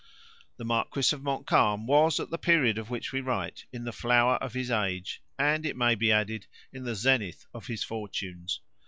The marquis of Montcalm was, at the period of which we write, in the flower of his age, and, it may be added, in the zenith of his fortunes.